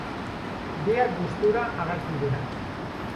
Biak gustura agertu dira.